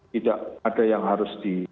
tidak ada yang harus